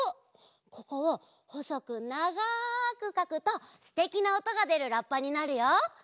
ここをほそくながくかくとすてきなおとがでるラッパになるよ！